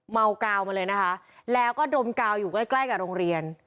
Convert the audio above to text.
กาวมาเลยนะคะแล้วก็ดมกาวอยู่ใกล้ใกล้กับโรงเรียน